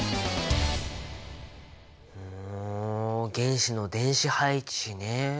ほう原子の電子配置ね。